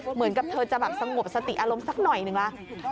เหมือนกับเธอจะแบบสงบสติอารมณ์สักหน่อยหนึ่งละ